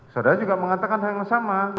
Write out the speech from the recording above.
saudara juga mengatakan hal yang sama